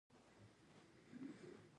مینه او ورورولي ژوند ښکلی کوي.